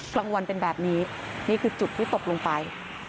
กลางวันเป็นแบบนี้นี่คือจุดที่ตกลงไป